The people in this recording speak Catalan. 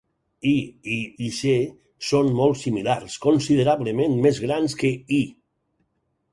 I, I, i C són molt similars, considerablement més grans que I.